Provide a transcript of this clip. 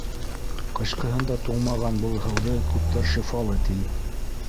Ҡышҡыһын да туңмаған был һыуҙы күптәр, шифалы, ти.